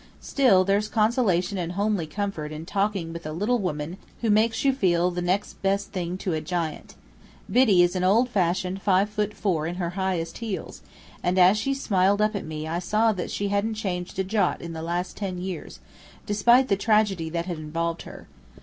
Still, there's consolation and homely comfort in talking with a little woman who makes you feel the next best thing to a giant. Biddy is an old fashioned five foot four in her highest heels; and as she smiled up at me I saw that she hadn't changed a jot in the last ten years, despite the tragedy that had involved her.